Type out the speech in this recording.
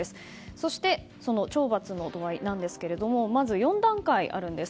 そして、懲罰の度合いなんですがまず４段階あるんです。